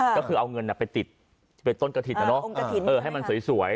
ก็คือเอาเงินไปติดไปต้นกระถินนะเนอะเออให้มันสวยสวย